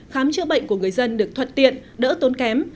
khám chữa bệnh của người dân được thuận tiện đỡ tốn kém